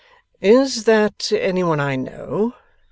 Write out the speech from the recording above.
'Is that any one I know?